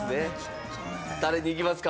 誰にいきますか？